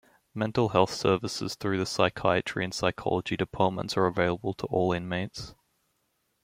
Mental Health Services through the Psychiatry and Psychology Departments are available to all inmates.